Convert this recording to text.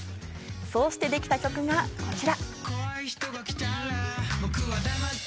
そうしてできた曲がこちら。